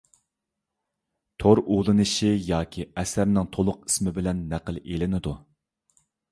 تور ئۇلىنىشى ياكى ئەسەرنىڭ تولۇق ئىسمى بىلەن نەقىل ئېلىنىدۇ.